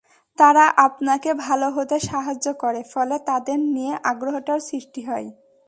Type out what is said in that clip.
তারা আপনাকে ভালো হতে সাহায্য করে, ফলে তাদের নিয়ে আগ্রহটাও সৃষ্টি হয়।